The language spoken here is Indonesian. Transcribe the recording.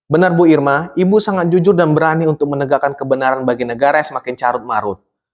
benar bu irma ibu sangat jujur dan berani untuk menegakkan kebenaran bagi negara yang semakin carut marut